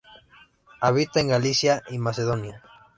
Habita en Galicia y Macedonia.